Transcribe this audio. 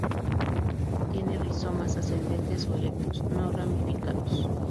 Tiene rizomas ascendentes o erectos, no ramificados.